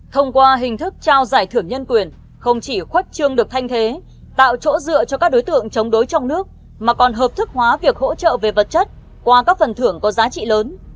thông qua hình thức trao giải thưởng nhân quyền không chỉ khuất trương được thanh thế tạo chỗ dựa cho các đối tượng chống đối trong nước mà còn hợp thức hóa việc hỗ trợ về vật chất qua các phần thưởng có giá trị lớn